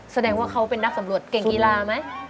แสดงว่าเขาเป็นนักสำรวจเก่งกีฬาไหม